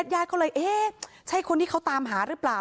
ญาติก็เลยเอ๊ะใช่คนที่เขาตามหาหรือเปล่า